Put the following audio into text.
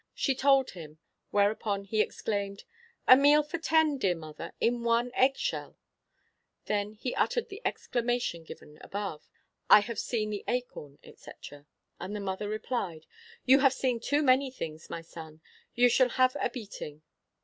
She told him. Whereupon he exclaimed, 'A meal for ten, dear mother, in one egg shell?' Then he uttered the exclamation given above, ('I have seen the acorn,' etc.,) and the mother replied, 'You have seen too many things, my son, you shall have a beating.'